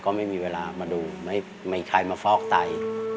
ก็ไม่มีเวลามาดูไม่มีใครมาฟอกไต